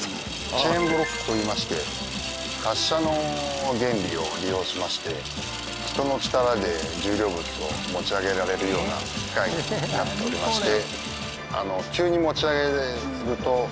チェーンブロックといいまして滑車の原理を利用しまして人の力で重量物を持ち上げられるような機械になっておりまして。